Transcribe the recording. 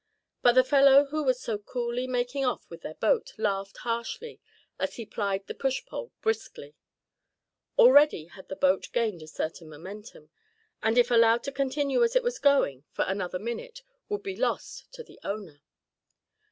But the fellow who was so coolly making off with their boat laughed harshly as he plied the push pole briskly. Already had the boat gained a certain momentum, and if allowed to continue as it was going for another full minute, would be lost to the owner.